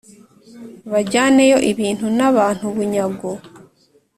bajyaneyo ibintu nabantu bunyago